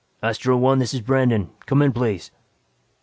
"Astro One, this is Brandon. Come in, please."